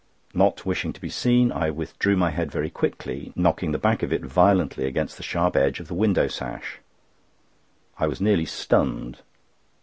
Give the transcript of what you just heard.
Not wishing to be seen, I withdrew my head very quickly, knocking the back of it violently against the sharp edge of the window sash. I was nearly stunned.